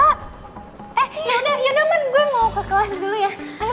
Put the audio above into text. eh yaudah yonaman gue mau ke kelas dulu ya